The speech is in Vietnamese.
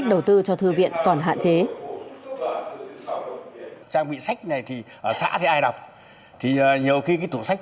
để tạo ra